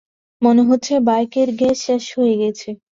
মনে হচ্ছে বাইকের গ্যাস শেষ হয়ে গেছে।